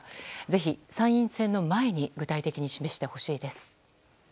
ぜひ、参院選の前に具体的に示してほしいです。